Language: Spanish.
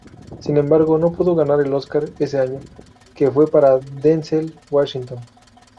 Sin embargo, no pudo ganar el Óscar ese año, que fue para Denzel Washington.